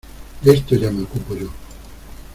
de esto ya me ocupo yo.